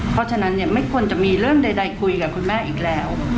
เพราะฉะนั้นเนี่ยไม่ควรจะมีเรื่องใดคุยกับคุณแม่อีกแล้ว